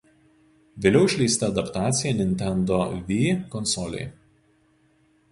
Vėliau išleista adaptacija „Nintendo Wii“ konsolei.